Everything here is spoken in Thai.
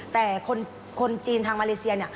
แต่คนจีนทางมาเลเซียเนี่ย